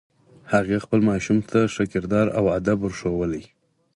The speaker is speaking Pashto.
هغې خپل ماشوم ته ښه کردار او ادب ور ښوولی